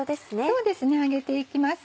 そうですね揚げていきます。